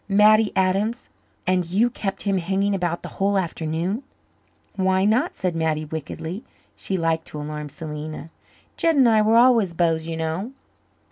"Mattie Adams! And you kept him hanging about the whole afternoon." "Why not?" said Mattie wickedly. She liked to alarm Selena. "Jed and I were always beaus, you know."